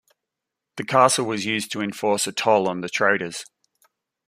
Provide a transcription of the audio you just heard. The castle was used to enforce a toll on the traders.